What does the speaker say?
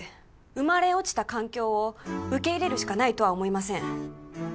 生まれ落ちた環境を受け入れるしかないとは思いません